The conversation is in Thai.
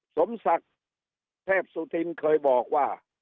สมศักดิ์เทพสุธินเคยบอกว่า